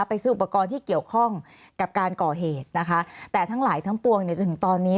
ซื้ออุปกรณ์ที่เกี่ยวข้องกับการก่อเหตุนะคะแต่ทั้งหลายทั้งปวงเนี่ยจนถึงตอนนี้